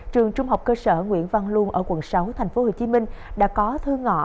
trường trung học cơ sở nguyễn văn luân ở quận sáu tp hcm đã có thư ngõ